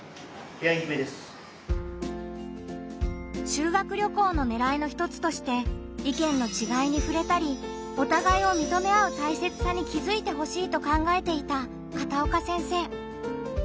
修学旅行のねらいの一つとして意見の違いにふれたりお互いを認め合うたいせつさに気づいてほしいと考えていた片岡先生。